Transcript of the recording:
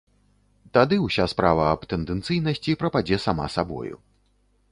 Тады ўся справа аб тэндэнцыйнасці прападзе сама сабою.